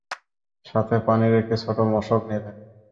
সাথে পানির একটি ছোট মশক নিলেন।